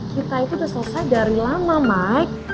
kita itu udah selesai dari lama maik